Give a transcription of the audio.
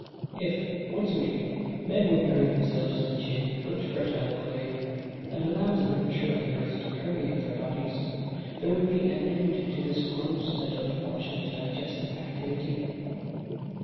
"If, once a week, men would bury themselves to the chin in good fertile clay, and allow the nurture of the earth to permeate their bodies there would be an end to this gross and unfortunate digestive activity.